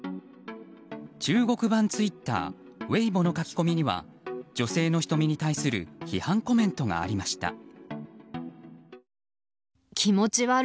中国版ツイッターウェイボの書き込みには女性の瞳に対する批判コメントがありました。